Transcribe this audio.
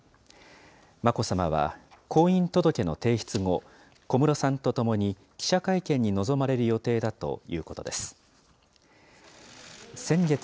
眞子さまは、婚姻届の提出後、小室さんと共に記者会見に臨まれる予定だということです。